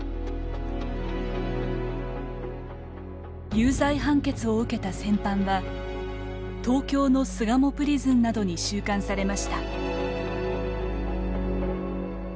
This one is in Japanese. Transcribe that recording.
有罪判決を受けた戦犯は東京の巣鴨プリズンなどに収監されました。